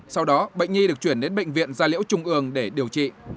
sau đó bệnh nhi được chuyển đến bệnh viện gia liễu trung ương để điều trị